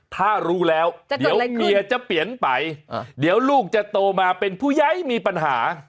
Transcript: ถ้ารู้แล้วเดี๋ยวเคลียร์จะเปลี่ยนไปเดี๋ยวลูกจะโตมาเป็นผู้ใหญ่มีปัญหา